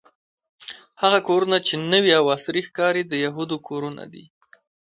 هغه کورونه چې نوې او عصري ښکاري د یهودو کورونه دي.